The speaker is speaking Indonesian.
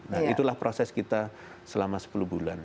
dan itulah proses kita selama sepuluh bulan